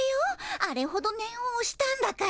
あれほどねんをおしたんだから。